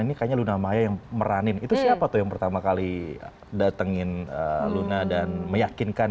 ini kayaknya luna maya yang meranin itu siapa tuh yang pertama kali datengin luna dan meyakinkan